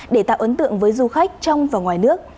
để tạo ấn tượng với du khách trong và ngoài nước